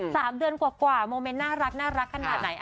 สามเดือนกว่าโมเม้นต์น่ารักกระนาบไหนแน่